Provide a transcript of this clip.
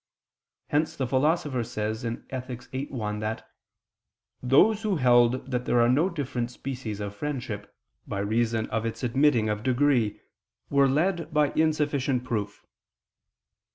Hence the Philosopher says (Ethic. viii, 1) that "those who held that there are no different species of friendship, by reason of its admitting of degree, were led by insufficient proof."